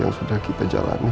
waktu gak bisa di putar lagi